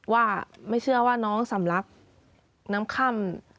ว่าไม่เชื่อว่าน้องสำลักน้ำค่ำ